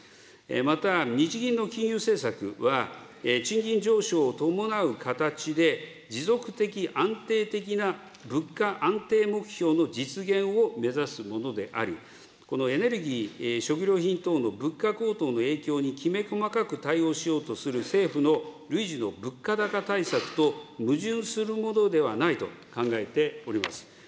また、日銀の金融政策は、賃金上昇を伴う形で持続的、安定的な物価安定目標の実現を目指すものであり、このエネルギー、食料品等の物価高騰の影響にきめ細かく対応しようとする政府の累次の物価高対策と矛盾するものではないと考えております。